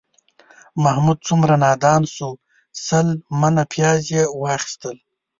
محمود څومره نادان شو، سل منه پیاز یې واخیستل